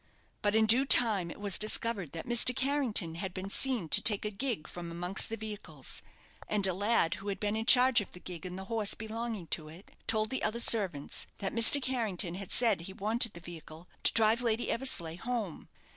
But in due time it was discovered that Mr. Carrington had been seen to take a gig from amongst the vehicles; and a lad, who had been in charge of the gig and the horse belonging to it, told the other servants that Mr. Carrington had said he wanted the vehicle to drive Lady Eversleigh home.